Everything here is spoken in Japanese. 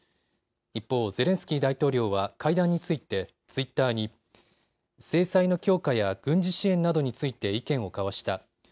一方、ゼレンスキー大統領は会談についてツイッターに制裁の強化や軍事支援などについて意見を交わした。